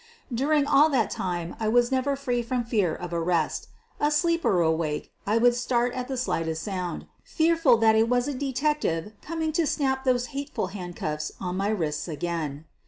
During all that time I was never free from fear of arrest — asleep or awake, I would start at the slightest sound, fearful that it was a detective coming to snap those hateful handcuffs on my wrists again.